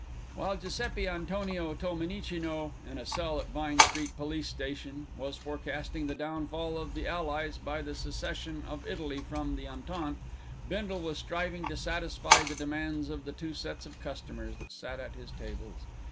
While Giuseppi Antonio Tolmenicino in a cell at Vine Street Police Station was forecasting the downfall of the Allies by the secession of Italy from the Entente, Bindle was striving to satisfy the demands of the two sets of customers that sat at his tables.